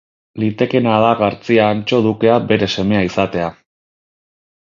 Litekeena da Gartzia Antso dukea bere semea izatea.